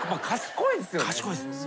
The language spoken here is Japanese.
賢いです。